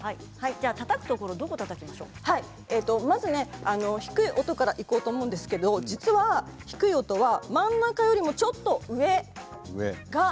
たたくところは、まず低い音からいこうと思うんですけれど、実は低い音は真ん中よりもちょっと上。